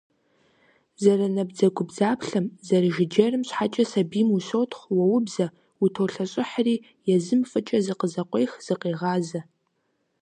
Зэрынабдзэгубдзаплъэм, зэрыжыджэрым щхьэкӀэ сабийм ущотхъу, уоубзэ, утолъэщӀыхьри, езым фӀыкӀэ зыкъызэкъуех, зыкъегъазэ.